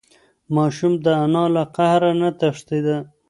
ماشوم د انا له قهر نه تښتېده.